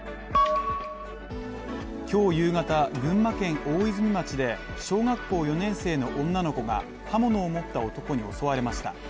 今日夕方、群馬県大泉町で小学校４年生の女の子が刃物を持った男に襲われました。